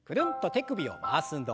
手首を回す運動。